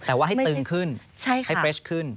แต่ว่าให้ตึงขึ้นให้เปรชขึ้น